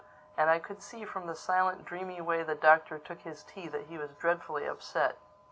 And I could see from the silent dreamy way the Doctor took his tea that he was dreadfully upset.